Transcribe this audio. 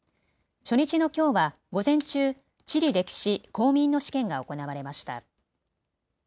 初日のきょうは午前中、地理歴史、公民の試験が行われました。